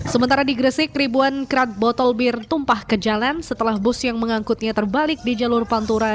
sementara di gresik ribuan kerat botol bir tumpah ke jalan setelah bus yang mengangkutnya terbalik di jalur pantura